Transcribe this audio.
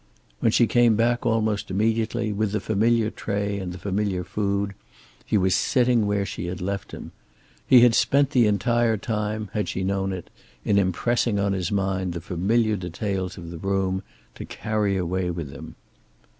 When she came back almost immediately, with the familiar tray and the familiar food, he was sitting where she had left him. He had spent the entire time, had she known it, in impressing on his mind the familiar details of the room, to carry away with him.